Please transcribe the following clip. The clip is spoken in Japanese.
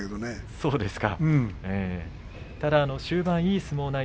そうですね。